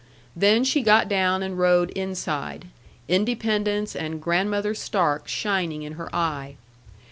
Then she got down and rode inside, Independence and Grandmother Stark shining in her eye.